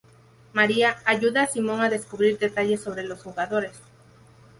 María: ayuda a Simón a descubrir detalles sobre los jugadores.